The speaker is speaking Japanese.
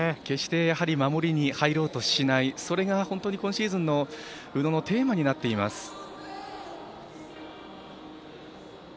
決して守りに入ろうとしないそれが本当に今シーズンの宇野のテーマになっています。